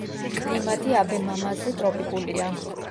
კლიმატი აბემამაზე ტროპიკულია.